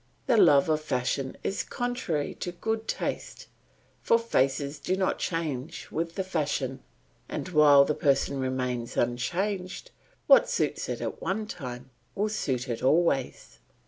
The love of fashion is contrary to good taste, for faces do not change with the fashion, and while the person remains unchanged, what suits it at one time will suit it always.